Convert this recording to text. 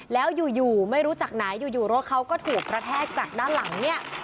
แล้วอยู่ไม่รู้จากไหนอยู่รถเขาก็ถูกกระแทกจากด้านหลังเนี่ย